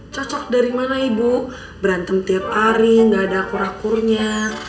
cocok dari mana ibu berantem tiap hari gak ada akur akurnya